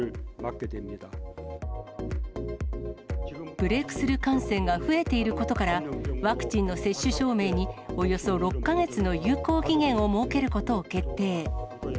ブレークスルー感染が増えていることから、ワクチンの接種証明に、およそ６か月の有効期限を設けることを決定。